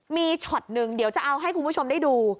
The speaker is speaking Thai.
มีช็อตหนึ่งเดี๋ยวจะเอาให้คุณผู้ชมได้ดู